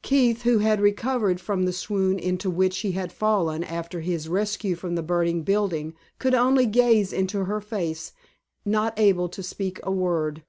Keith, who had recovered from the swoon into which he had fallen after his rescue from the burning building, could only gaze into her face, not able to speak a word.